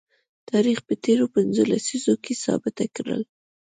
تاریخ په تیرو پنځو لسیزو کې ثابته کړله